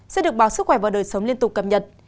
sẽ được báo sức khỏe và đời sống liên tục cập nhật